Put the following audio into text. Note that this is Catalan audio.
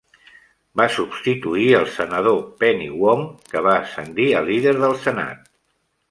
Va substituir el senador Penny Wong, que va ascendir a líder del Senat.